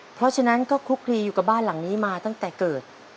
เพราะฉะนั้นก็คลุกคลีอยู่กับบ้านหลังนี้มาตั้งแต่เกิด